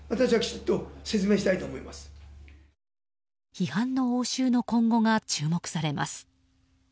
批判の応酬の今後が注目されます。